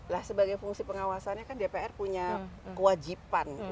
lah sebagai fungsi pengawasannya kan dpr punya kewajipan untuk kemudian memberikan masukan